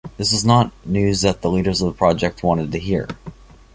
This was not news that the leaders of the project wanted to hear.